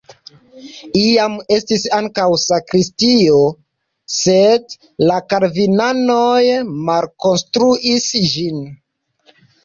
Iam estis ankaŭ sakristio, sed la kalvinanoj malkonstruis ĝin.